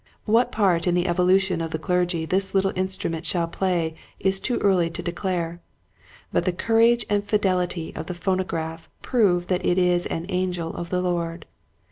What part in the evolution of the clergy this little instru ment shall play it is too early to declare. But the courage and fidelity of the phono graph prove that it is an angel of the Lord.